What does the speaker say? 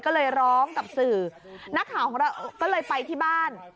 ก็เลยร้องกับสื่อนักข่าวของเราก็เลยไปที่บ้าน